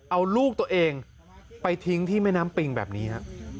เอาลูกตัวเองไปทิ้งที่แม่น้ำปิงแบบนี้ฮะ